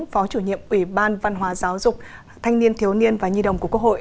phó chủ nhiệm ủy ban văn hóa giáo dục thanh niên thiếu niên và nhi đồng của quốc hội